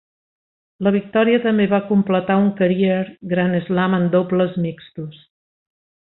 La victòria també va completar un Career Grand Slam en dobles mixtos.